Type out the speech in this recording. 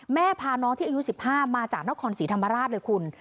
พาน้องที่อายุ๑๕มาจากนครศรีธรรมราชเลยคุณ